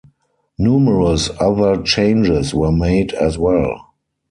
Numerous other changes were made as well.